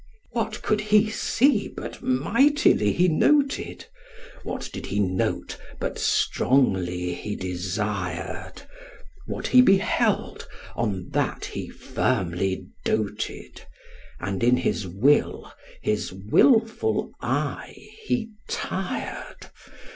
What could he see but mightily he noted? What did he note but strongly he desired? What he beheld, on that he firmly doted, And in his will his wilful eye he tired.